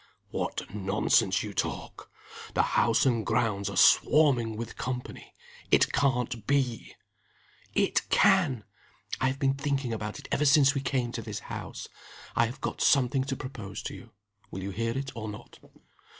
"What nonsense you talk! The house and grounds are swarming with company. It can't be!" "It can! I have been thinking about it ever since we came to this house. I have got something to propose to you. Will you hear it, or not?"